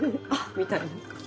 みたいな。